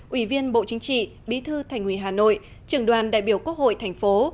ủy viên bộ chính trị bí thư thành hủy hà nội trưởng đoàn đại biểu quốc hội thành phố